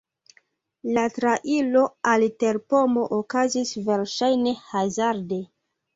La trairo al terpomo okazis verŝajne hazarde.